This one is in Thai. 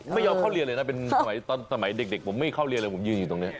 ไม่ยอมเข้าเรียนเลยนะเป็นสมัยตอนสมัยเด็กผมไม่เข้าเรียนเลยผมยืนอยู่ตรงนี้